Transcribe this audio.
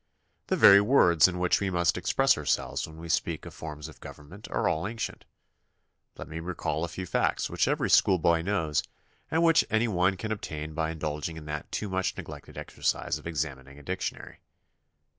The very words in which we must express ourselves when we speak of forms of government are all ancient. Let me recall a THE CONSTITUTION AND ITS MAKERS 47 few facts which every schoolboy knows and which any one can obtain by indulging in that too much neglected exercise of examining a dictionary.